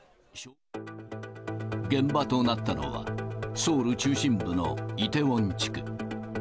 現場となったのは、ソウル中心部のイテウォン地区。